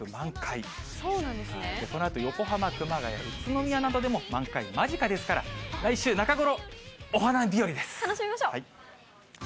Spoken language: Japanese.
このあと横浜、熊谷、宇都宮なども満開間近ですから、楽しみましょう。